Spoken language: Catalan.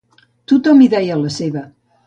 Tothom hi deia la seva.